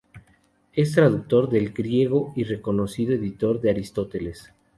Es traductor del griego y reconocido editor de Aristóteles.